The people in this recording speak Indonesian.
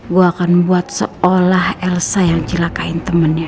gue akan buat seolah elsa yang cilakain temennya